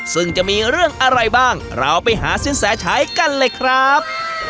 ซึ่งจะมีเรื่องอะไรบ้างเราไปหาสินแสชัยกันเลยครับ